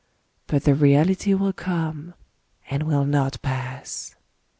But the Reality will come, and will not pass.